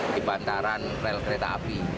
di bantaran rel kereta api